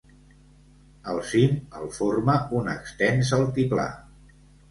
El cim el forma un extens altiplà.